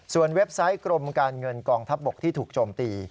เว็บไซต์กรมการเงินกองทัพบกที่ถูกโจมตี